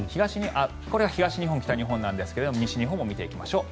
これが東日本、北日本なんですが西日本も見ていきましょう。